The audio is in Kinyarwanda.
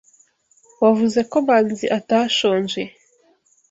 Wavuze ko Manzi atashonje.